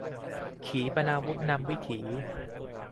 ขีปนาวุธนำวิถี